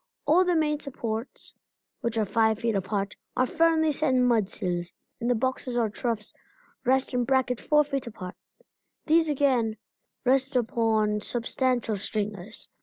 All the main supports, which are five feet apart, are firmly set in mudsills, and the boxes or troughs rest in brackets four feet apart. These again rest upon substantial stringers.